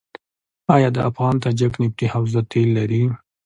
آیا د افغان تاجک نفتي حوزه تیل لري؟